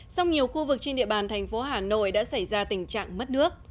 song nhiều khu vực trên địa bàn thành phố hà nội đã xảy ra tình trạng mất nước